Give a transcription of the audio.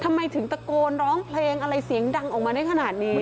ทำไมถึงตะโกนร้องเพลงอะไรเสียงดังออกมาได้ขนาดนี้